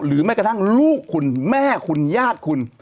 แม้กระทั่งลูกคุณแม่คุณญาติคุณ